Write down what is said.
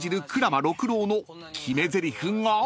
鞍馬六郎の決めぜりふが］